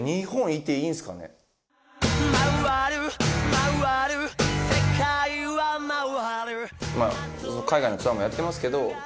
まあ海外のツアーもやってますけど一応。